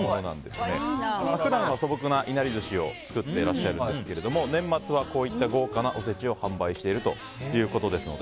普段は素朴ないなり寿司を作ってらっしゃるんですが年末はこういった豪華なおせちを販売しているということですので。